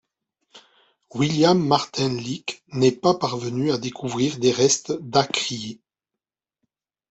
William Martin Leake n'est pas parvenu à découvrir des restes d'Acriae.